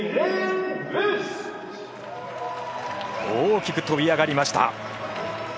大きく飛び上がりました。